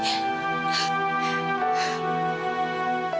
amiran arabastien anik kok